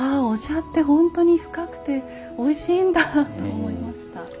お茶って本当に深くておいしいんだと思いました。